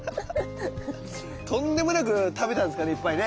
とんでもなく食べたんですかねいっぱいね。